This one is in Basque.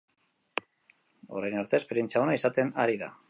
Orain arte, esperientzia ona izaten ari da.